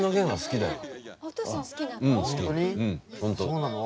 そうなの？